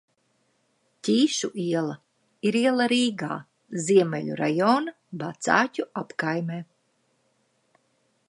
Ķīšu iela ir iela Rīgā, Ziemeļu rajona Vecāķu apkaimē.